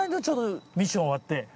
ちょうどミッション終わって。